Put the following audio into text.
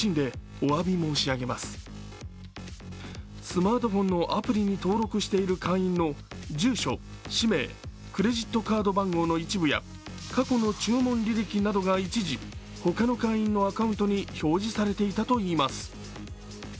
スマートフォンのアプリに登録している会員の住所、氏名、クレジットカード番号の一部や過去の注文履歴などが一時、他の会員のアカウントに表示されていたといいます。